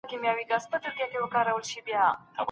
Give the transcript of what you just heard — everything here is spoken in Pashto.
ویره یوازي یو احساس دی.